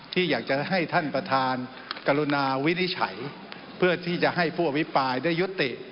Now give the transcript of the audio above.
ที่อยากจะให้ท่านประธานกรุณาวินิจฉัยเพื่อที่จะให้ผู้อภิปรายได้ยุติ